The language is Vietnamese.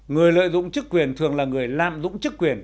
người lợi dụng chức quyền thường là người lạm dụng chức quyền